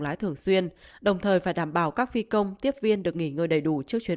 dịch dịch diễn đồng thời phải đảm bảo các phi công tiếp viên được nghỉ ngơi đầy đủ trước chuyến